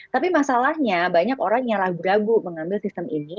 tapi masalahnya banyak orang yang ragu ragu mengambil sistem ini